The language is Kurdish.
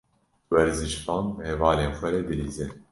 Werzişvan bi hevalên xwe re dilîze.